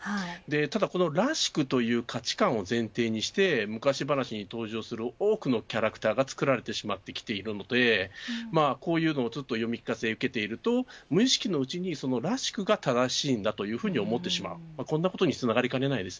このらしくという価値感を前提にして昔話に登場する多くのキャラクターが作られてしまってきているのでこういうのを読み聞かせていると無意識のうちに、らしくが正しいんだというふうに思ってしまいます。